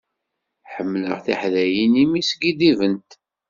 Ḥemmleɣ tiḥdayin imi skiddibent.